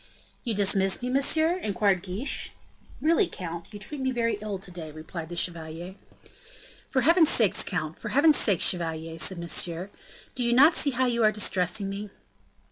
"You dismiss me, monsieur?" inquired Guiche. "Really, count, you treat me very ill to day," replied the chevalier. "For heaven's sake, count, for heaven's sake, chevalier," said Monsieur, "do you not see how you are distressing me?"